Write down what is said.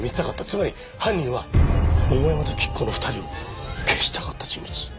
つまり犯人は桃山と菊子の２人を消したかった人物。